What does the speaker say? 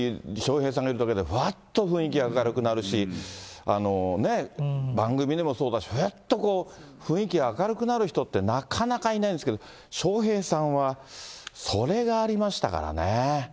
メイク室、笑瓶さんがいるだけでふわっと雰囲気が明るくなるし、番組でもそうだし、ふっとこう、雰囲気が明るくなる人って、なかなかいないんですけど、笑瓶さんはそれがありましたからね。